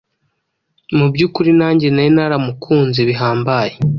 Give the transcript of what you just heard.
Mu by'ukuri nanjye nari naramukunze bihambaye